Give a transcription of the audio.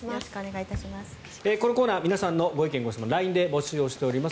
このコーナー皆さんのご意見・ご質問をＬＩＮＥで募集しております。